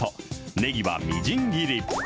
ねぎはみじん切り。